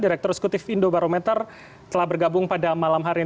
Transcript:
direktur sekutif indo barometer telah bergabung pada malam hari ini